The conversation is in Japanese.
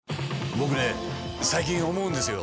僕ね最近思うんですよ。